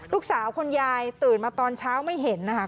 คุณยายตื่นมาตอนเช้าไม่เห็นนะคะ